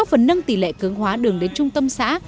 phần nâng tỉ lệ cường hóa đường đến trung tâm xã